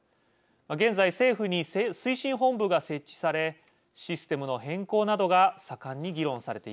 現在政府に推進本部が設置されシステムの変更などが盛んに議論されています。